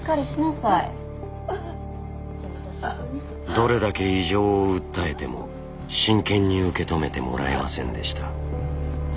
どれだけ異常を訴えても真剣に受け止めてもらえませんでした。